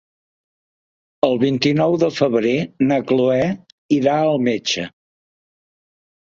El vint-i-nou de febrer na Cloè irà al metge.